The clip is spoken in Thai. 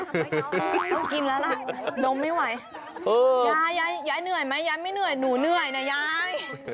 ต้องกินแล้วล่ะดมไม่ไหวยายยายเหนื่อยไหมยายไม่เหนื่อยหนูเหนื่อยนะยาย